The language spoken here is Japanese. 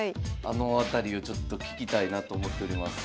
あの辺りをちょっと聞きたいなと思っております。